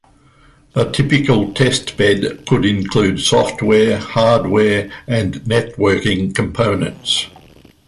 A typical testbed could include software, hardware, and networking components.